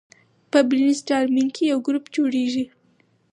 په برین سټارمینګ کې یو ګروپ جوړیږي.